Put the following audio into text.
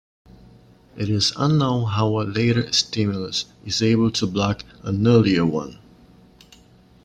It is unknown how a later stimulus is able to block an earlier one.